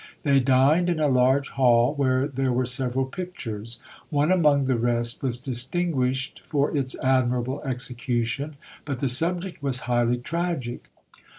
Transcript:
They dined in a large hall, where there were several pictures. One among the rest was distinguished for its admirable execution, but the subject was highly tragic.